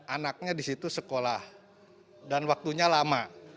anaknya di situ sekolah dan waktunya lama